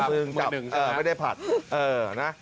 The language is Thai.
อีกมือหนึ่งสินะจับเออไม่ได้ผัดเอ่อนะ